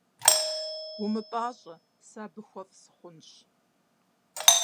Умыпӏащӏэ, сэ абы хуэфӏ сыхъунщ.